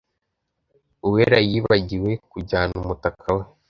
uwerayibagiwe kujyana umutaka we